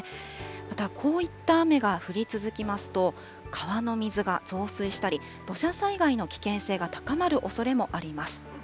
またこういった雨が降り続きますと、川の水が増水したり、土砂災害の危険性が高まるおそれもあります。